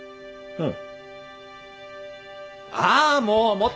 うん。